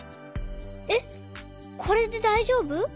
えっこれでだいじょうぶ？